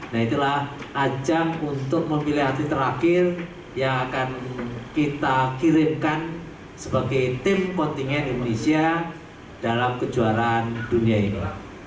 nah itulah ajang untuk memilih atlet terakhir yang akan kita kirimkan sebagai tim kontingen indonesia dalam kejuaraan dunia ini